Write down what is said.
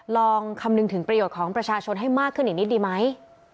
ลองคำนึงถึงประโยชน์ของประชาชนให้มากขึ้นอีกนิดดีไหม